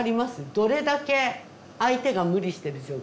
どれだけ相手が無理してる状況か。